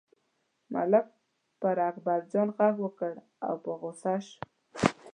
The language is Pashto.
ملک پر اکبرجان غږ وکړ او په غوسه شو.